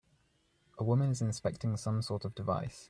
A woman is inspecting some sort of device.